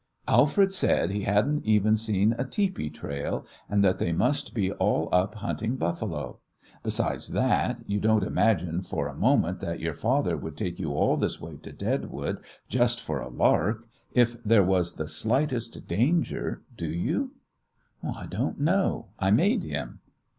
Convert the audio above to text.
"Alfred said he hadn't seen even a teepee trail, and that they must be all up hunting buffalo. Besides that, you don't imagine for a moment that your father would take you all this way to Deadwood just for a lark, if there was the slightest danger, do you?" "I don't know; I made him."